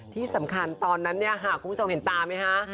ที่สำคัญตอนนั้นเนี่ยค่ะคุณผู้ชมเห็นตาไหมคะ